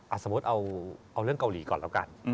สมมุติเอาเรื่องเกาหลีก่อนแล้วกัน